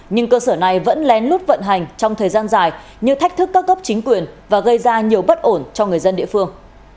nhưng cơ sở này vẫn lén lút vận hành trong thời gian dài như thách thức các cấp chính quyền và gây ra nhiều bất ổn cho người dân địa phương